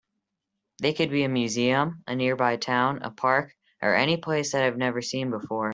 They can be a museum, a nearby town, a park, or any place that I have never been before.